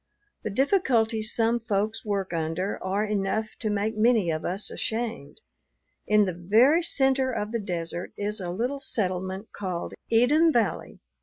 The difficulties some folks work under are enough to make many of us ashamed. In the very center of the desert is a little settlement called Eden Valley.